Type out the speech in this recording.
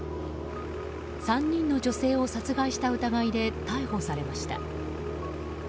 ３人の女性を殺害した疑いで逮捕されました。